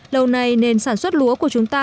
lâu nay nền sản xuất lúa của chúng ta